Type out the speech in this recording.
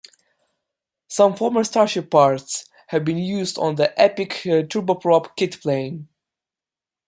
Some former Starship parts have been used on the Epic turboprop kitplane.